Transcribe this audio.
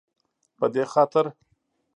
په دې خاطر